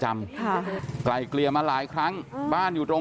จะไม่เคลียร์กันได้ง่ายนะครับ